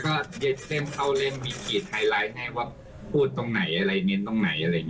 เขาเล่านี่ก่อนเราอาจจะมีประสบการณ์ในการแสดงมาอาจจะเเบ่ากว่าเขาใช่ไหมค่ะ